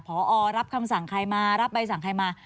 พอรับคำสั่งใครมารับใบสั่งใครมา